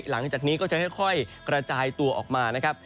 หลังจากนี้ก็จะค่อยกระจายตัวออกมานะครับ